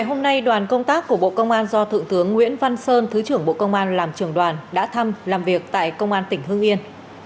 hôm nay đoàn công tác của bộ công an do thượng tướng nguyễn văn sơn thứ trưởng bộ công an làm trưởng đoàn đã thăm làm việc tại công an tỉnh hương yên